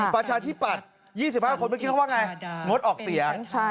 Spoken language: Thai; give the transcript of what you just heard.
ประชาธิปัตย์๒๕คนเมื่อกี้เขาว่าไงงดออกเสียง